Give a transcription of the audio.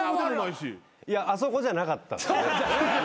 いやあそこじゃなかった。